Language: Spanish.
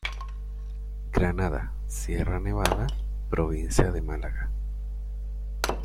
Granada; Sierra Nevada; provincia de Málaga.